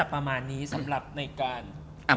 ประมาณนี้สำหรับในการ